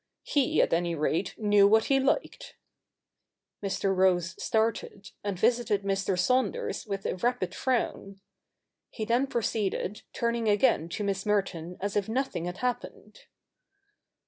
He, at any rate, knew what he liked.' Mr. Rose started, and visited Mr. Saunders with a rapid frown. He then proceeded, turning again to Miss Merton as if nothing had happened.